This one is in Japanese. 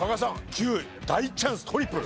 ９位大チャンストリプル。